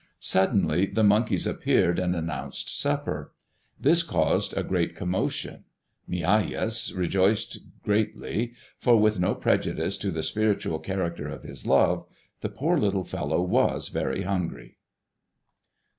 Suddenly the monkeys appeared and announced supper. This caused a great commotion. Migajas rejoiced greatly, for with no prejudice to the spiritual character of his love, the poor little fellow was very hungry.